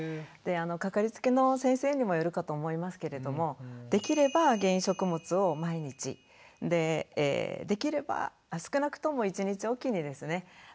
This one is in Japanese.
かかりつけの先生にもよるかと思いますけれどもできれば原因食物を毎日でできれば少なくとも一日おきにですね